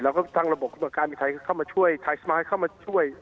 เราก็ตั้งระบบของการมีไทยเข้ามาช่วยไทยสมาธิเข้ามาช่วย